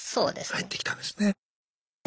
入ってきたんですね。